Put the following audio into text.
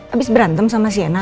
abis berantem sama sienna atau apa